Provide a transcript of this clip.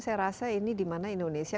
saya rasa ini dimana indonesia